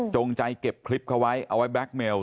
ใจเก็บคลิปเขาไว้เอาไว้แล็คเมล